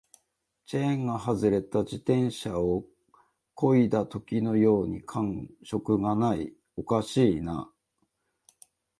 チェーンが外れた自転車を漕いだときのように感触がない、おかしいな